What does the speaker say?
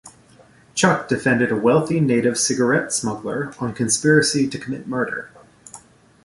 Chuck defended a wealthy Native cigarette smuggler on conspiracy to commit murder.